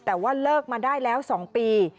แต่ว่าเลิกมาได้แล้ว๒ปี